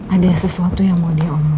ada sesuatu yang mau dia